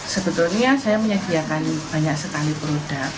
sebetulnya saya menyediakan banyak sekali produk